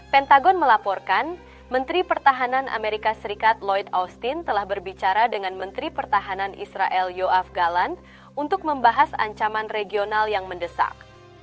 pentagon melaporkan menteri pertahanan amerika serikat loid austin telah berbicara dengan menteri pertahanan israel yo afgalan untuk membahas ancaman regional yang mendesak